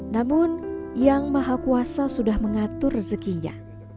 namun yang maha kuasa sudah mengatur rezekinya